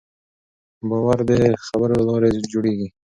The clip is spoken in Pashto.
باور د خبرو له لارې جوړېږي.